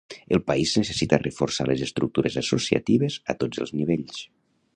El país necessita reforçar les estructures associatives a tots els nivells.